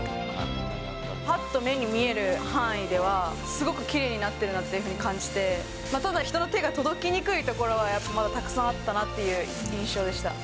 ぱっと目に見える範囲では、すごくきれいになってるなというふうに感じて、ただ、人の手が届きにくいところはやっぱりたくさんあったなという印象でした。